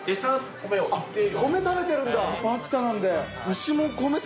米食べてるんだ。